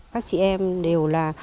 các chị em đều là